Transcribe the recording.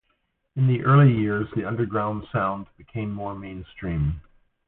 In the early years, the underground sound became more mainstream.